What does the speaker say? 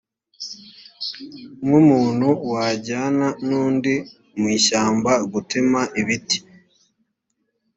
nk’umuntu wajyana n’undi mu ishyamba gutema ibiti;